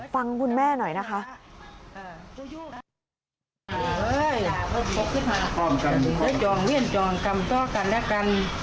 ฟังคุณแม่หน่อยนะคะ